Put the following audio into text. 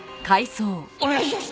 お願いします！